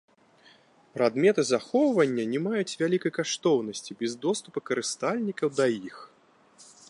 Прадметы захоўвання не маюць вялікай каштоўнасці без доступу карыстальнікаў да іх.